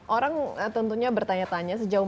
orang tentunya bertanya tanya sejauh